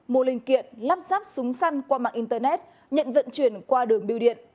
mua linh kiện lắp ráp súng săn qua mạng internet nhận vận chuyển qua đường biêu điện